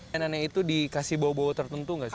mainannya itu dikasih bau bau tertentu gak sih